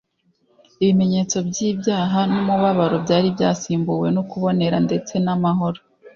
ibimenyetso by'ibyaha n'umubabaro byari byasimbuwe no kubonera ndetse n'amahoro.